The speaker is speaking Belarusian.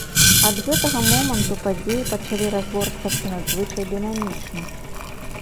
Ад гэтага моманту падзеі пачалі разгортвацца надзвычай дынамічна.